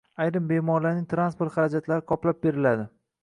Ayrim bemorlarning transport xarajatlari qoplab berilading